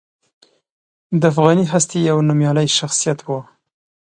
د افغاني هستې یو نومیالی شخصیت و.